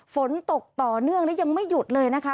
ฝนตกต่อเนื่องและยังไม่หยุดเลยนะคะ